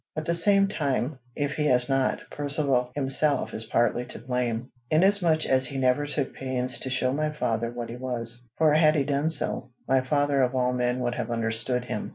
At the same time, if he has not, Percivale himself is partly to blame, inasmuch as he never took pains to show my father what he was; for, had he done so, my father of all men would have understood him.